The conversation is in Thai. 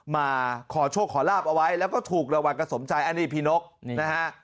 มาขอโชคขอลาบเอาไว้แล้วก็ถูกระวังกับสมใจอันนี้พี่นกนะฮะ